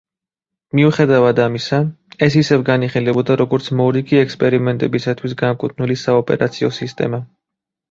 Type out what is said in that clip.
მიუხედავად ამისა, ეს ისევ განიხილებოდა როგორც მორიგი ექსპერიმენტებისათვის განკუთვნილი საოპერაციო სისტემა.